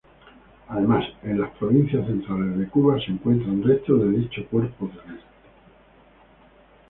Además en las provincias centrales de Cuba se encuentran restos de dicho cuerpo celeste.